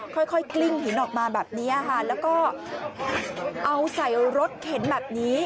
ค่อยกลิ้งหินออกมาแบบนี้ค่ะแล้วก็เอาใส่รถเข็นแบบนี้